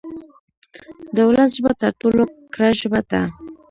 د ولس ژبه تر ټولو کره ژبه ده.